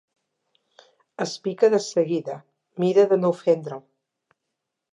Es pica de seguida, mira de no ofendre'l.